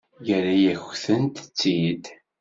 Yerra-yakent-tt-id.